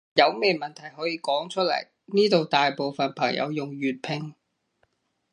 有咩問題可以講出來，呢度大部分朋友用粵拼